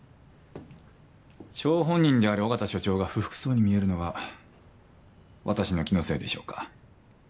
張本人である緒方署長が不服そうに見えるのは私の気のせいでしょうか？